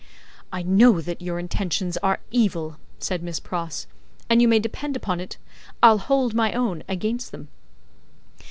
"I know that your intentions are evil," said Miss Pross, "and you may depend upon it, I'll hold my own against them."